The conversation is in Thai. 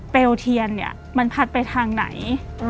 เปลเทียนมันผลัดไปทางไหน